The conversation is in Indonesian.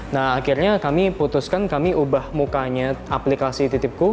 nah akhirnya kami putuskan kami ubah mukanya aplikasi titipku